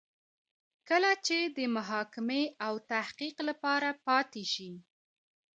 کله چې د محاکمې او تحقیق لپاره پاتې شي.